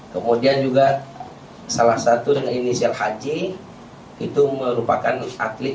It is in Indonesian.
kemudian juga salah satu dengan inisial hj itu merupakan atlet